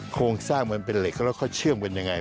โครงสร้างมันเป็นเหล็กแล้วเขาเชื่อมกันยังไง